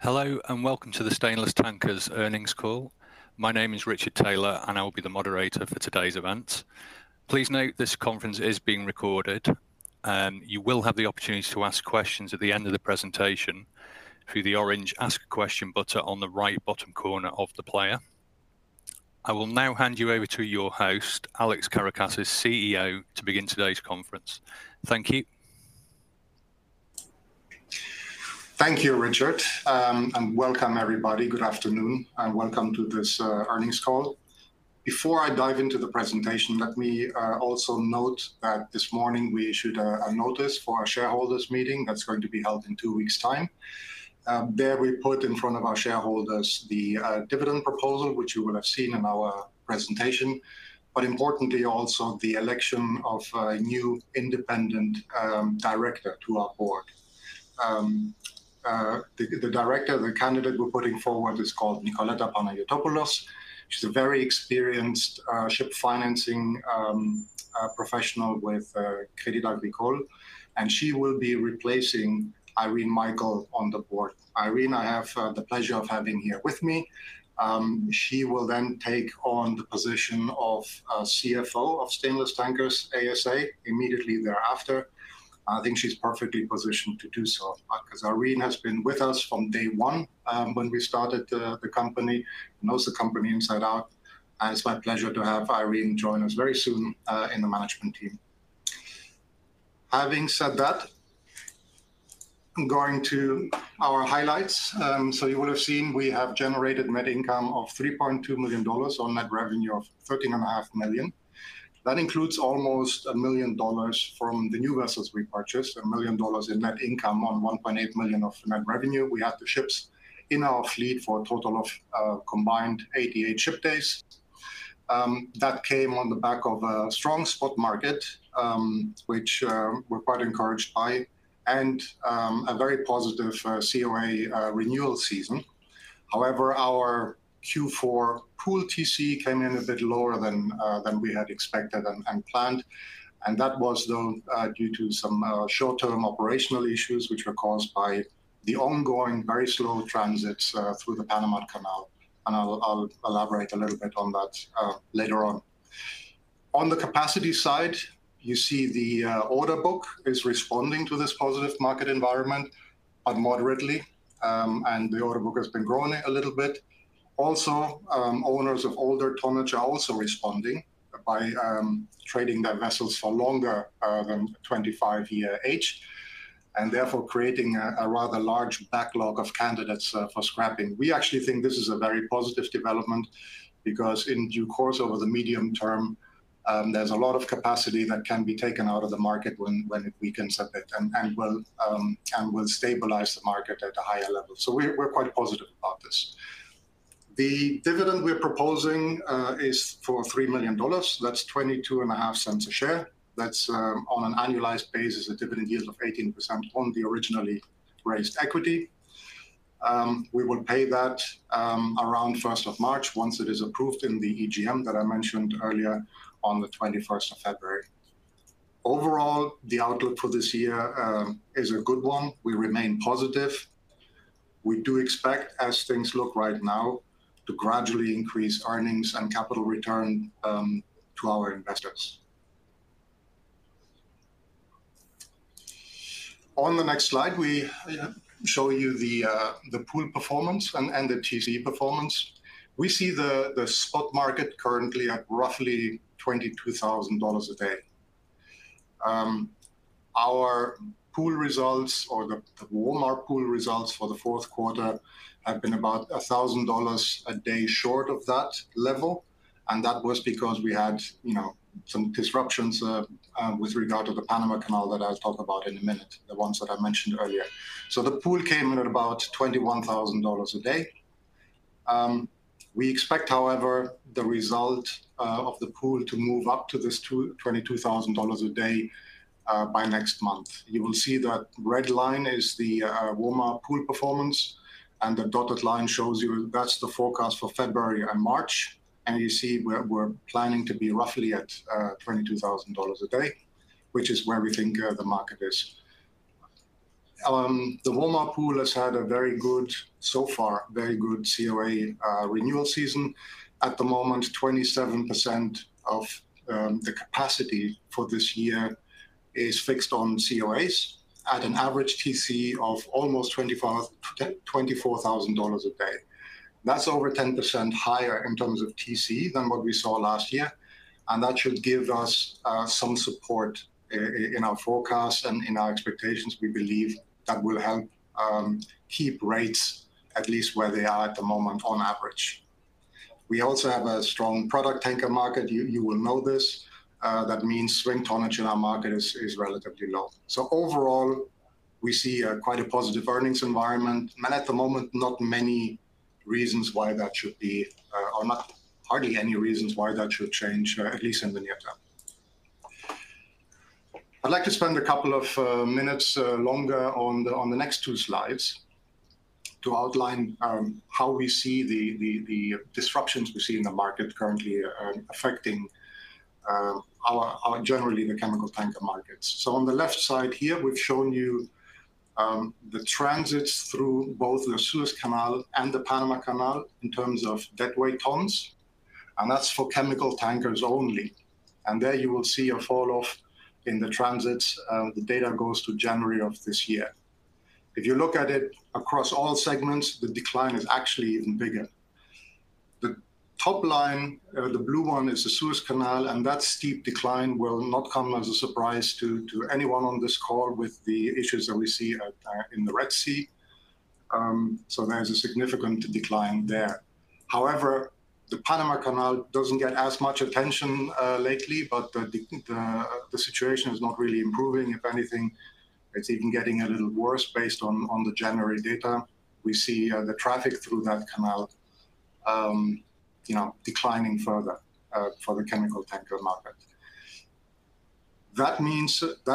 Hello, and welcome to the Stainless Tankers earnings call. My name is Richard Taylor, and I will be the moderator for today's event. Please note, this conference is being recorded. You will have the opportunity to ask questions at the end of the presentation through the orange Ask a Question button on the right bottom corner of the player. I will now hand you over to your host, Alex Karakassis, CEO, to begin today's conference. Thank you. Thank you, Richard. And welcome, everybody. Good afternoon, and welcome to this earnings call. Before I dive into the presentation, let me also note that this morning we issued a notice for our shareholders meeting that's going to be held in two weeks' time. There we put in front of our shareholders the dividend proposal, which you will have seen in our presentation, but importantly, also the election of a new independent director to our board. The director, the candidate we're putting forward is called Nikoleta Panayiotopoulos. She's a very experienced ship financing professional with Crédit Agricole, and she will be replacing Irene Michael on the board. Irene, I have the pleasure of having here with me. She will then take on the position of CFO of Stainless Tankers ASA immediately thereafter. I think she's perfectly positioned to do so, 'cause Irene has been with us from day one, when we started the, the company, knows the company inside out, and it's my pleasure to have Irene join us very soon, in the management team. Having said that, going to our highlights. So you will have seen, we have generated net income of $3.2 million on net revenue of $13.5 million. That includes almost $1 million from the new vessels we purchased, $1 million in net income on $1.8 million of net revenue. We had the ships in our fleet for a total of, combined 88 ship days. That came on the back of a strong spot market, which, we're quite encouraged by, and, a very positive, COA, renewal season. However, our Q4 pool TC came in a bit lower than than we had expected and and planned, and that was though due to some short-term operational issues, which were caused by the ongoing, very slow transits through the Panama Canal, and I'll elaborate a little bit on that later on. On the capacity side, you see the order book is responding to this positive market environment but moderately and the order book has been growing a little bit. Also owners of older tonnage are also responding by trading their vessels for longer than 25-year age, and therefore creating a rather large backlog of candidates for scrapping. We actually think this is a very positive development because in due course, over the medium term, there's a lot of capacity that can be taken out of the market when, when it weakens a bit and, and will, and will stabilize the market at a higher level. So we're, we're quite positive about this. The dividend we're proposing is for $3 million. That's $0.225 a share. That's, on an annualized basis, a dividend yield of 18% on the originally raised equity. We will pay that around 1 March, once it is approved in the EGM that I mentioned earlier on the 21 February. Overall, the outlook for this year is a good one. We remain positive. We do expect, as things look right now, to gradually increase earnings and capital return to our investors. On the next slide, we show you the pool performance and the TC performance. We see the spot market currently at roughly $22,000 a day. Our pool results or the Womar pool results for the Q4 have been about $1,000 a day short of that level, and that was because we had, you know, some disruptions with regard to the Panama Canal that I'll talk about in a minute, the ones that I mentioned earlier. So the pool came in at about $21,000 a day. We expect, however, the result of the pool to move up to this $22,000 a day by next month. You will see that red line is the Womar pool performance, and the dotted line shows you that's the forecast for February and March, and you see we're planning to be roughly at $22,000 a day, which is where we think the market is. The Womar pool has had a very good, so far, very good COA renewal season. At the moment, 27% of the capacity for this year is fixed on COAs at an average TC of almost 25, 24 thousand dollars a day. That's over 10% higher in terms of TC than what we saw last year, and that should give us some support in our forecast and in our expectations. We believe that will help keep rates at least where they are at the moment on average. We also have a strong product tanker market. You will know this. That means swing tonnage in our market is relatively low. So overall, we see quite a positive earnings environment, and at the moment, not many reasons why that should be, or not hardly any reasons why that should change, at least in the near term. I'd like to spend a couple of minutes longer on the next two slides to outline how we see the disruptions we see in the market currently are affecting our generally the chemical tanker markets. So on the left side here, we've shown you the transits through both the Suez Canal and the Panama Canal in terms of deadweight tons. And that's for chemical tankers only, and there you will see a fall off in the transits, the data goes to January of this year. If you look at it across all segments, the decline is actually even bigger. The top line, the blue one, is the Suez Canal, and that steep decline will not come as a surprise to anyone on this call with the issues that we see out in the Red Sea. So there's a significant decline there. However, the Panama Canal doesn't get as much attention lately, but the situation is not really improving. If anything, it's even getting a little worse based on the January data. We see the traffic through that canal you know declining further for the chemical tanker market. That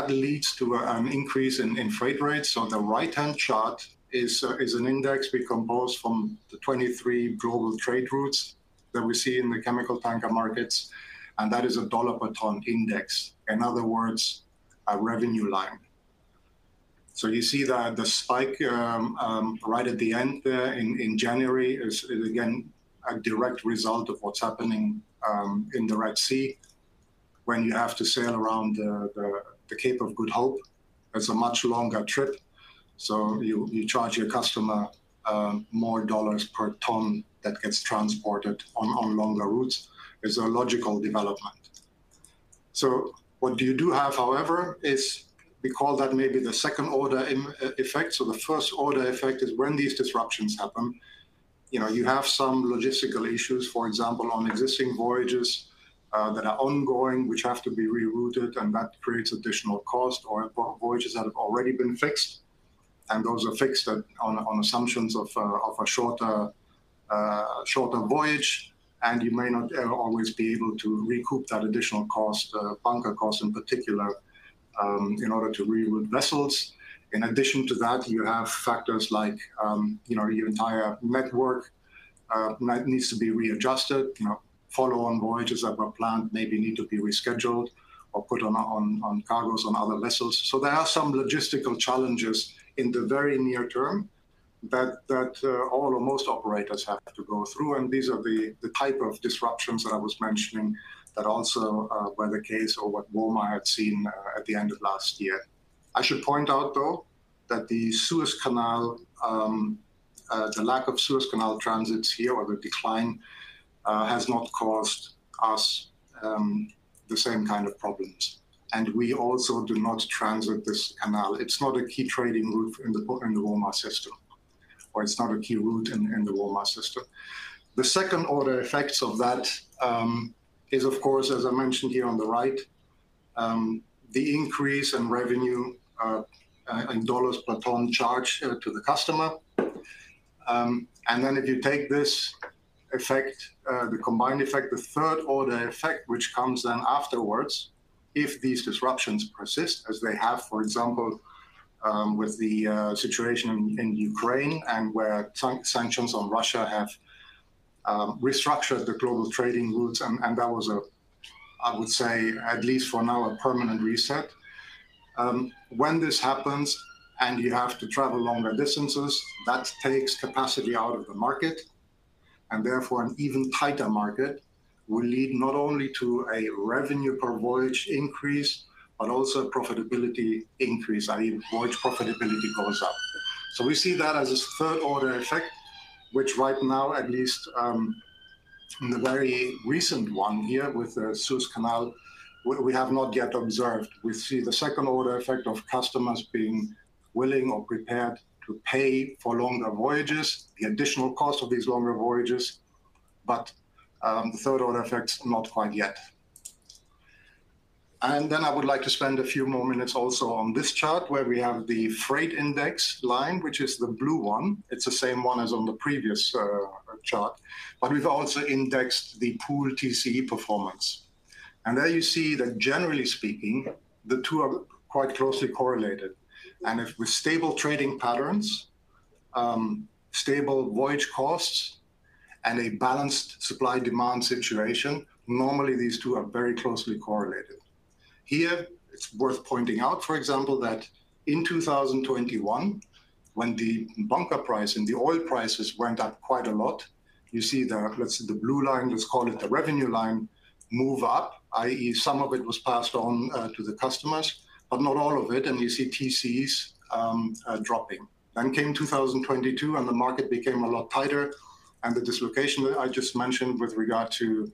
leads to an increase in freight rates. On the right-hand chart is an index we composed from the 23 global trade routes that we see in the chemical tanker markets, and that is a dollar per ton index. In other words, a revenue line. So you see that the spike right at the end there in January is again a direct result of what's happening in the Red Sea. When you have to sail around the Cape of Good Hope, it's a much longer trip, so you charge your customer more dollars per ton that gets transported on longer routes. It's a logical development. So what you do have, however, is we call that maybe the second-order effect. So the first-order effect is when these disruptions happen, you know, you have some logistical issues, for example, on existing voyages that are ongoing, which have to be rerouted, and that creates additional cost or voyages that have already been fixed, and those are fixed on assumptions of a shorter voyage, and you may not always be able to recoup that additional cost, bunker cost in particular, in order to reroute vessels. In addition to that, you have factors like, you know, your entire network needs to be readjusted. You know, follow-on voyages that were planned maybe need to be rescheduled or put on cargos on other vessels. So there are some logistical challenges in the very near term that all or most operators have to go through, and these are the type of disruptions that I was mentioning that also were the case or what Womar had seen at the end of last year. I should point out, though, that the Suez Canal, the lack of Suez Canal transits here or the decline, has not caused us the same kind of problems, and we also do not transit this canal. It's not a key trading route in the Womar system, or it's not a key route in the Womar system. The second-order effects of that is, of course, as I mentioned here on the right, the increase in revenue in $ per ton charged to the customer. And then if you take this effect, the combined effect, the third-order effect, which comes then afterwards, if these disruptions persist, as they have, for example, with the situation in Ukraine and where sanctions on Russia have restructured the global trading routes, and that was a, I would say, at least for now, a permanent reset. When this happens and you have to travel longer distances, that takes capacity out of the market, and therefore, an even tighter market will lead not only to a revenue per voyage increase, but also a profitability increase, i.e., voyage profitability goes up. So we see that as a third-order effect, which right now, at least, in the very recent one here with the Suez Canal, we have not yet observed. We see the second-order effect of customers being willing or prepared to pay for longer voyages, the additional cost of these longer voyages, but, the third-order effects, not quite yet. And then I would like to spend a few more minutes also on this chart, where we have the freight index line, which is the blue one. It's the same one as on the previous chart, but we've also indexed the pool TCE performance. And there you see that generally speaking, the two are quite closely correlated. And if with stable trading patterns, stable voyage costs, and a balanced supply-demand situation, normally, these two are very closely correlated. Here, it's worth pointing out, for example, that in 2021, when the bunker price and the oil prices went up quite a lot, you see the, let's say, the blue line, let's call it the revenue line, move up, i.e., some of it was passed on to the customers, but not all of it, and you see TCEs dropping. Then came 2022, and the market became a lot tighter, and the dislocation that I just mentioned with regard to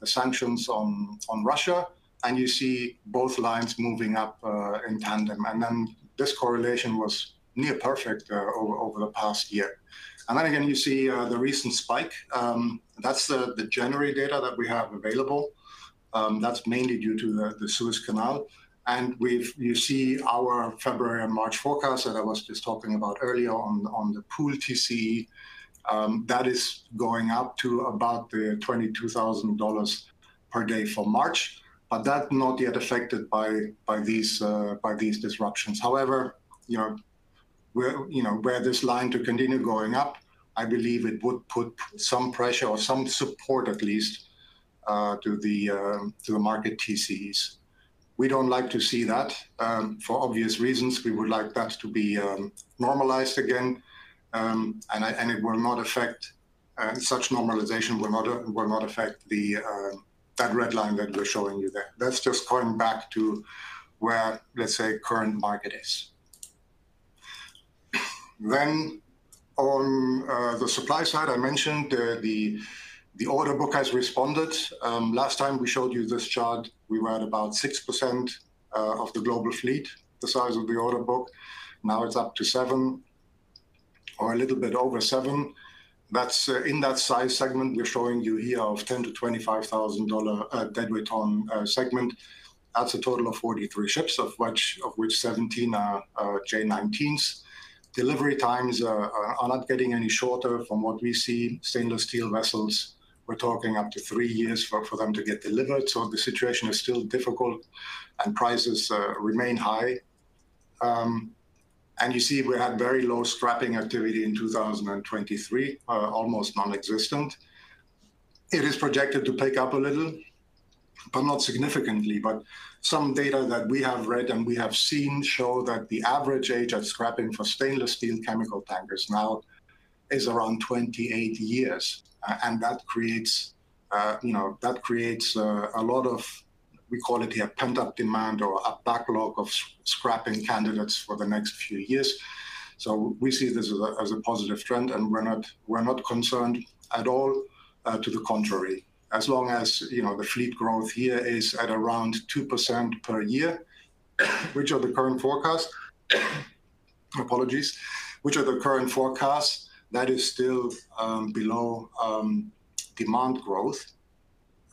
the sanctions on Russia, and you see both lines moving up in tandem. And then this correlation was near perfect over the past year. And then again, you see the recent spike. That's the January data that we have available. That's mainly due to the Suez Canal. And we've you see our February and March forecast that I was just talking about earlier on, on the pool TCE, that is going up to about the $22,000 per day for March, but that not yet affected by, by these, by these disruptions. However, you know, where, you know, were this line to continue going up, I believe it would put some pressure or some support at least, to the, to the market TCEs. We don't like to see that, for obvious reasons. We would like that to be, normalized again. And, and it will not affect, such normalization will not, will not affect the, that red line that we're showing you there. That's just going back to where, let's say, current market is. Then on the supply side, I mentioned the order book has responded. Last time we showed you this chart, we were at about 6% of the global fleet, the size of the order book. Now it's up to 7% or a little bit over 7%. That's in that size segment we're showing you here of 10-25,000 DWT segment. That's a total of 43 ships, of which 17 are J19s. Delivery times are not getting any shorter from what we see. Stainless steel vessels, we're talking up to 3 years for them to get delivered, so the situation is still difficult, and prices remain high. And you see, we had very low scrapping activity in 2023, almost non-existent. It is projected to pick up a little, but not significantly. But some data that we have read and we have seen show that the average age of scrapping for stainless steel chemical tankers now is around 28 years. And that creates, you know, that creates a lot of, we call it a pent-up demand or a backlog of scrapping candidates for the next few years. So we see this as a, as a positive trend, and we're not, we're not concerned at all, to the contrary, as long as, you know, the fleet growth here is at around 2% per year, which are the current forecast. Apologies. Which are the current forecasts, that is still below demand growth.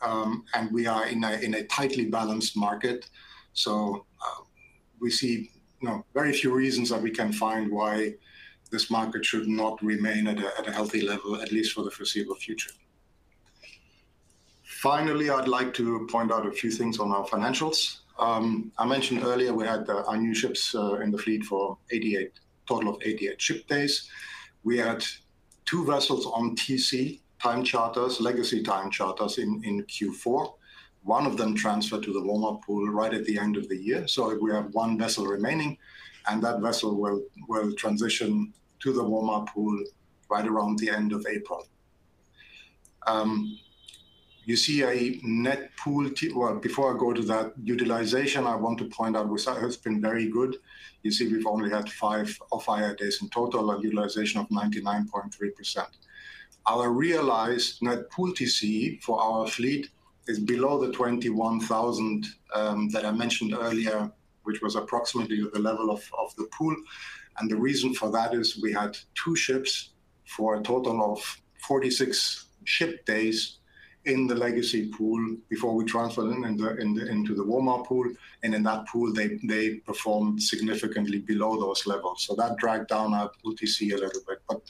And we are in a, in a tightly balanced market. So, we see, you know, very few reasons that we can find why this market should not remain at a healthy level, at least for the foreseeable future. Finally, I'd like to point out a few things on our financials. I mentioned earlier, we had our new ships in the fleet for 88, total of 88 ship days. We had 2 vessels on TC, time charters, legacy time charters, in Q4. One of them transferred to the Womar pool right at the end of the year, so we have one vessel remaining, and that vessel will transition to the Womar pool right around the end of April. You see a net pool. Well, before I go to that utilization, I want to point out which has been very good. You see, we've only had 5 off-hire days in total, a utilization of 99.3%. Our realized net pool TC for our fleet is below the $21,000 that I mentioned earlier, which was approximately the level of, of the pool. The reason for that is we had 2 ships for a total of 46 ship days in the legacy pool before we transferred them into the, into the Womar pool, and in that pool, they, they performed significantly below those levels. That dragged down our TCE a little bit, but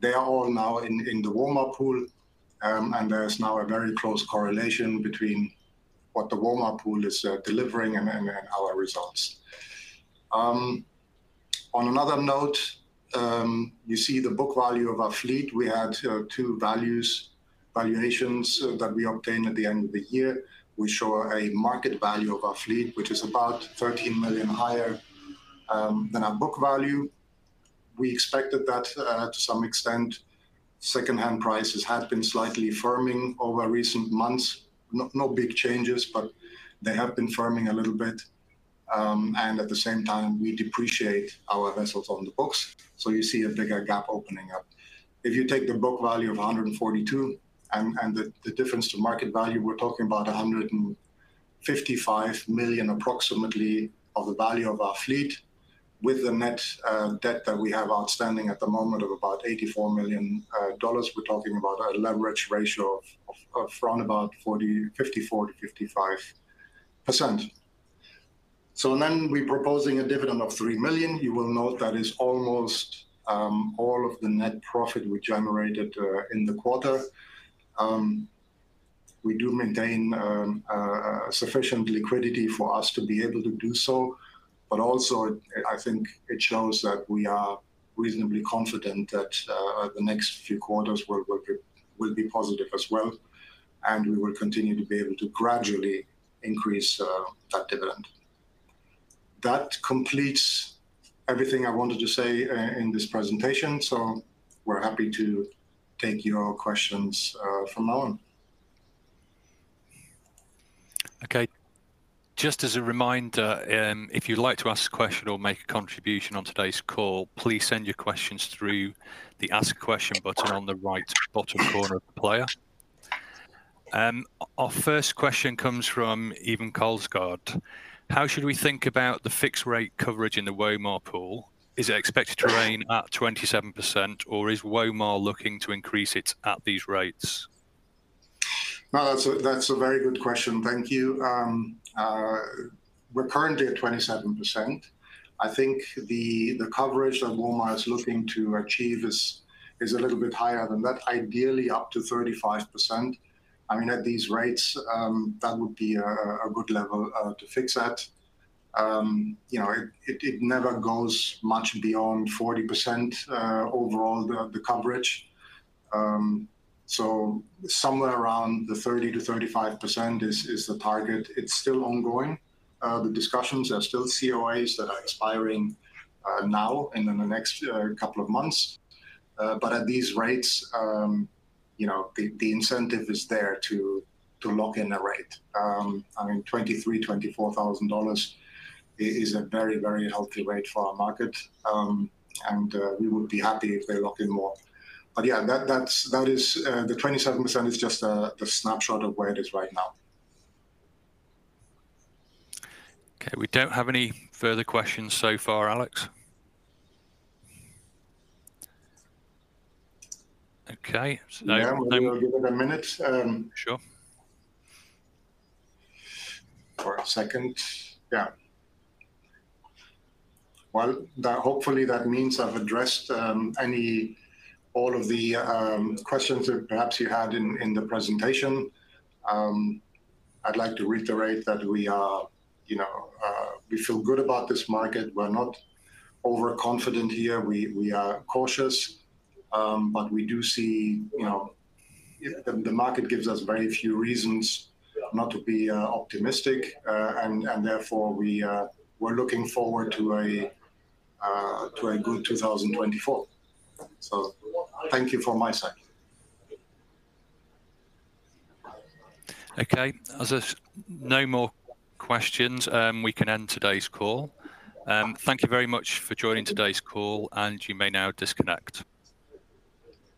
they are all now in, in the Womar pool, and there is now a very close correlation between what the Womar pool is, delivering and then, and our results. On another note, you see the book value of our fleet. We had two valuations that we obtained at the end of the year. We show a market value of our fleet, which is about $13 million higher than our book value. We expected that to some extent. Secondhand prices have been slightly firming over recent months. No big changes, but they have been firming a little bit. And at the same time, we depreciate our vessels on the books, so you see a bigger gap opening up. If you take the book value of $142 million and the difference to market value, we're talking about $155 million, approximately, of the value of our fleet. With the net debt that we have outstanding at the moment of about $84 million dollars, we're talking about a leverage ratio of around about 40.54%-55%. So then we're proposing a dividend of $3 million. You will note that is almost all of the net profit we generated in the quarter. We do maintain sufficient liquidity for us to be able to do so, but also, I think it shows that we are reasonably confident that the next few quarters will be positive as well, and we will continue to be able to gradually increase that dividend. That completes everything I wanted to say in this presentation, so we're happy to take your questions from now on. Okay. Just as a reminder, if you'd like to ask a question or make a contribution on today's call, please send your questions through the Ask Question button on the right bottom corner of the player. Our first question comes from Ewan Kolsgård: "How should we think about the fixed rate coverage in the Womar pool? Is it expected to remain at 27%, or is Womar looking to increase it at these rates? Well, that's a very good question. Thank you. We're currently at 27%. I think the coverage that Womar is looking to achieve is a little bit higher than that, ideally up to 35%. I mean, at these rates, that would be a good level to fix at. You know, it never goes much beyond 40%, overall, the coverage. So somewhere around the 30%-35% is the target. It's still ongoing. The discussions are still COAs that are expiring now and in the next couple of months. But at these rates, you know, the incentive is there to lock in a rate. I mean, $23,000-$24,000 is a very, very healthy rate for our market, and we would be happy if they lock in more. But yeah, that is the 27% is just the snapshot of where it is right now. Okay. We don't have any further questions so far, Alex. Okay, so now-Yeah, we will give it a minute. Sure. Well, hopefully that means I've addressed any all of the questions that perhaps you had in the presentation. I'd like to reiterate that we are, you know, we feel good about this market. We're not overconfident here. We are cautious, but we do see, you know, the market gives us very few reasons not to be optimistic. And therefore, we're looking forward to a good 2024. So thank you from my side. Okay. As there's no more questions, we can end today's call. Thank you very much for joining today's call, and you may now disconnect.